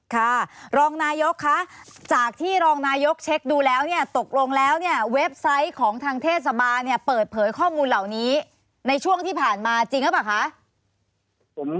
ค่ะรองนายกคะจากที่รองนายกเช็คดูแล้วเนี่ยตกลงแล้วเนี่ยเว็บไซต์ของทางเทศบาลเนี่ยเปิดเผยข้อมูลเหล่านี้ในช่วงที่ผ่านมาจริงหรือเปล่าคะ